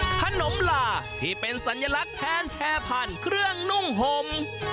ขนมลาที่เป็นสัญลักษณ์แทนแพร่พันธุ์เครื่องนุ่มห่ม